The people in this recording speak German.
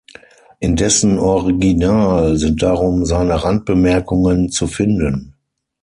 In dessen Original sind darum seine Randbemerkungen zu finden.